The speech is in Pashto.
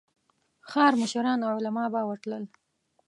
ښار مشران او علماء به ورتلل.